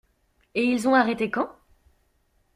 Et ils ont arrêté quand?